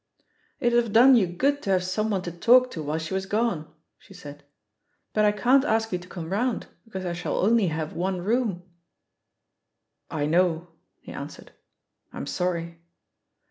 It'd have done you good to have someone to talk to while she was gone," she said; "but I can'i ask you to come round, because I shall only have one room/* €t' 1 know," he answered. "I*m sorry."